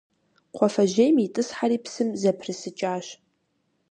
Кхъуафэжьейм итӏысхьэхэри псым зэпрысыкӏащ.